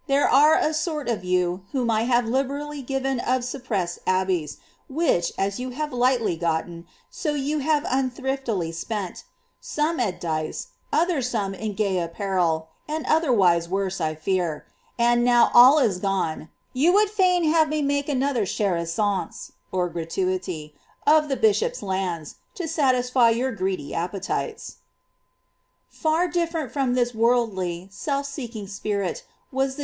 There are a > Fox. Folio, book ii. 5'24, S25. 46 KATHARINB PARK. sort of you whom I have liberally given of suppressed monastaiei, which, as you have lit^hily (gotten, so you have unthriftily spent — mbm at dice,' other some in ^y apparel, and other^'ays worse, I fear; tnd now all is ^one, you would fain have me make another chrrisaia (gratuity^ of the bishop'^s lands, to satis^fy your greedy appetite:.*' Far different from this worldly, self seeking spirit was the